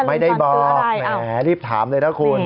ไม่ได้บอกแหมรีบถามเลยนะคุณ